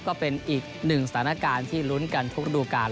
ก็เป็นอีกหนึ่งสถานการณ์ที่ลุ้นกันทุกระดูการ